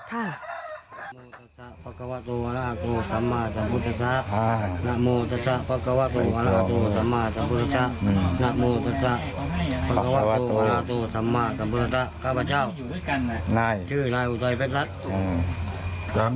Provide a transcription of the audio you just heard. ทางที่เราสาบานไปนั่ง